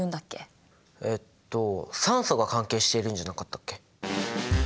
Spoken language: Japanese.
えと酸素が関係してるんじゃなかったっけ？